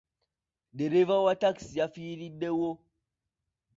Ddereeva wa takisi ye afiiriddewo.